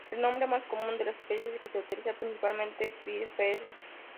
El nombre más común de la especie que se utiliza principalmente es Bittersweet.